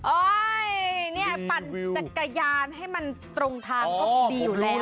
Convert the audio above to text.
โอ้ยเนี่ยปั่นจักรยานให้มันตรงทางก็ดีอยู่แล้วอ๋อผมรู้